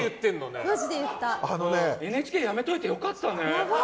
ＮＨＫ辞めておいてよかったね。